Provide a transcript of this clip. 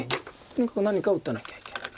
とにかく何かを打たなきゃいけない。